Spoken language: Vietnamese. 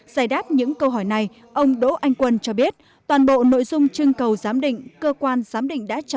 giải đáp những câu hỏi này ông đỗ anh quân cho biết toàn bộ nội dung chương cầu giám định cơ quan giám định đã trả